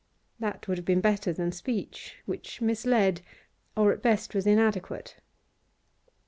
That would have been better than speech, which misled, or at best was inadequate.